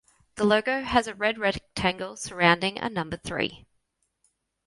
The logo has a red rectangle surrounding a number three.